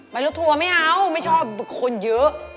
รถทัวร์ไม่เอาไม่ชอบคนเยอะ